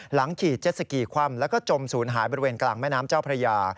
ขี่เจ็ดสกีคว่ำแล้วก็จมศูนย์หายบริเวณกลางแม่น้ำเจ้าพระยา